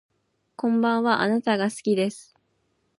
こんばんはあなたが好きです